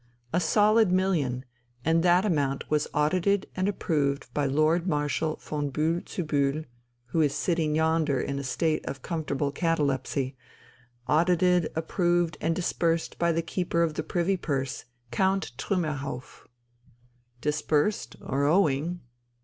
"A solid million! And that amount was audited and approved by Lord Marshal von Bühl zu Bühl, who is sitting yonder in a state of comfortable catalepsy audited, approved, and disbursed by the Keeper of the Privy Purse, Count Trümmerhauff." "Disbursed, or owing!"